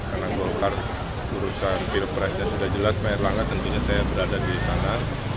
karena golkar urusan pilpresnya sudah jelas pak erlangga tentunya saya berada di sana